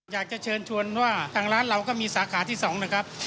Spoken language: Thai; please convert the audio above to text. อยากจะเชิญชวนว่าทางร้านเราก็มีสาขาที่๒นะครับ